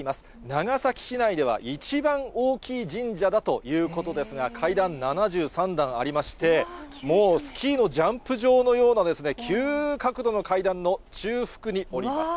長崎市内では一番大きい神社だということですが、階段７３段ありまして、もうスキーのジャンプ場のような、急角度の階段の中腹におります。